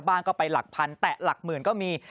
ก็ไปหลักพันแต่หลักหมื่นก็มี